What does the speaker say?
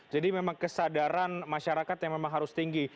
jadi memang kesadaran masyarakat yang memang harus tinggi